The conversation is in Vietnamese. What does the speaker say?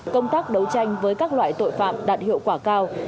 công tác đấu tranh với các loại tội phạm đạt hiệu quả cao